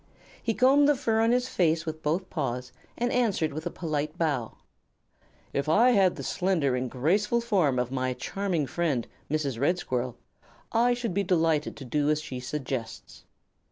He combed the fur on his face with both paws, and answered with a polite bow: "If I had the slender and graceful form of my charming friend, Mrs. Red Squirrel, I should be delighted to do as she suggests."